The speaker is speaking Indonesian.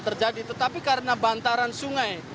terjadi tetapi karena bantaran sungai